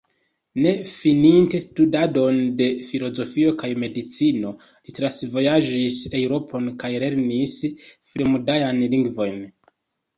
Ne fininte studadon de filozofio kaj medicino, li travojaĝis Eŭropon kaj lernis fremdajn lingvojn.